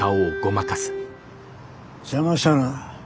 邪魔したな。